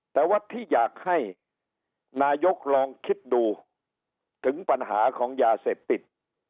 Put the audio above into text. แต่ว่าที่อยากให้นายกลองคิดดูถึงปัญหาของยาเสพติด